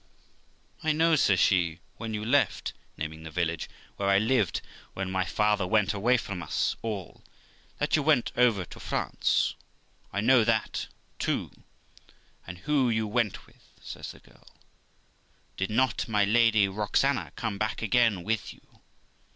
'I know', says she, when you left ', naming the village, 'where I lived when my father went away from us all, that you went over to France; I know that too. THE LIFE OF ROXANA 353 and who you went with ', says the girl ;' did not my Lady Roxana come back again with you?